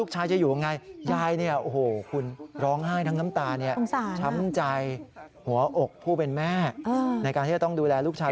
สงสารนะช้ำใจหัวอกผู้เป็นแม่ในการที่จะต้องดูแลลูกชาย